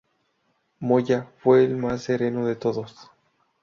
Moya fue el más sereno de todos.